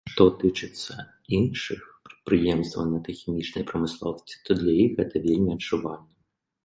Што тычыцца іншых прадпрыемстваў нафтахімічнай прамысловасці, то для іх гэта вельмі адчувальна.